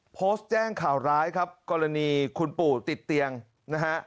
โพสต์แจ้งข่าวร้ายครับกรณีคุณปู่ติดเตียงนะฮะ